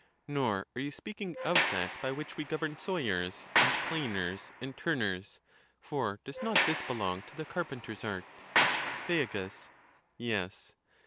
Nor are you speaking of that, by which (we govern) 406 THEAGES. sawyers, and planers, and turners; for does not this belong to the carpenter's art? Thea. Yes.